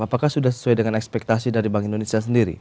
apakah sudah sesuai dengan ekspektasi dari bank indonesia sendiri